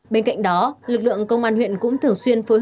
bên cạnh đó lực lượng công an huyện cũng thường xuyên phối hợp